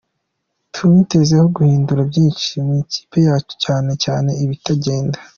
Tumwitezeho guhindura byinshi mu ikipi yacu cyane cyane ibitagenda.